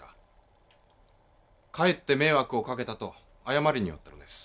かえって迷惑をかけたと謝りに寄ったのです。